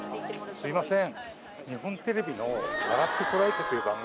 すいません。